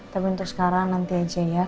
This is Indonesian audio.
tapi untuk sekarang nanti aja ya